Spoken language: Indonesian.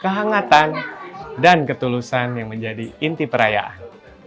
kehangatan dan ketulusan yang menjadi inti perayaan